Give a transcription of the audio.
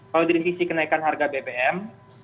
kalau dari sisi kenaikan harga bbm